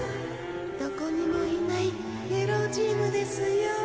どこにもいないゲロウジームですよ。